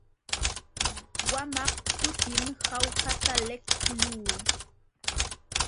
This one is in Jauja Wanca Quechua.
Wamaq kutim Jaujata liqluu.